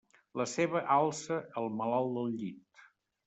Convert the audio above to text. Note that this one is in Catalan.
La ceba alça el malalt del llit.